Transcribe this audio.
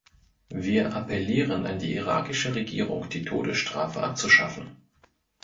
Wir appellieren an die irakische Regierung, die Todesstrafe abzuschaffen.